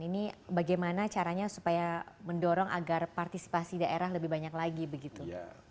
ini bagaimana caranya supaya mendorong agar partisipasi daerah lebih banyak lagi begitu